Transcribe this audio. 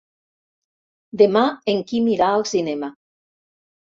Demà en Quim irà al cinema.